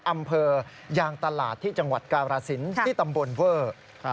อำเภอยางตลาดที่จังหวัดการาศิลป์ที่ตำบลเวอร์